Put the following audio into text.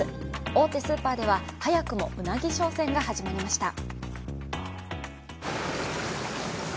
大手スーパーでは早くもうなぎ商戦が始まりました。